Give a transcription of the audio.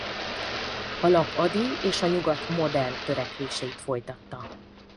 A lap Ady és a Nyugat modern törekvéseit folytatta.